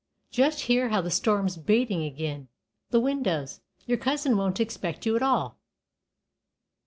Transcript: Just hear how the storm's batin' agin the windows. Your cousin won't expect you at all.